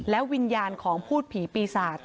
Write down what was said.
วิญญาณของพูดผีปีศาจ